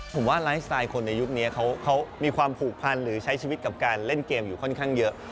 ผมว่าไลฟ์สไตล์คนในยุคนี้เขามีความผูกพันหรือใช้ชีวิตกับการเล่นเกมอยู่ค่อนข้างเยอะ